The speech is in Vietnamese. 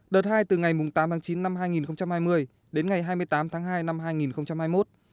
đợt hai từ ngày tám tháng chín năm hai nghìn hai mươi đến ngày hai mươi tám tháng hai năm hai nghìn hai mươi một